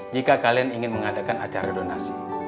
jika kalian ingin mengadakan acara donasi